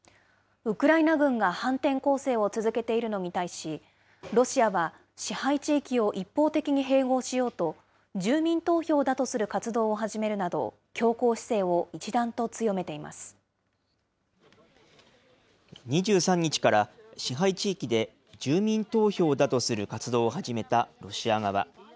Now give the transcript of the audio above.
ウクライナ軍が反転攻勢を続けているのに対し、ロシアは支配地域を一方的に併合しようと、住民投票だとする活動を始めるなど、２３日から支配地域で住民投票だとする活動を始めたロシア側。